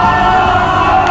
jangan sampai lolos